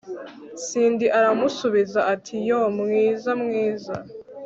cindy aramusubiza ati 'yoo mwiza mwiza